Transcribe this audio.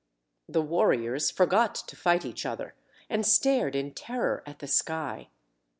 The warriors forgot to fight each other and stared in terror at the sky.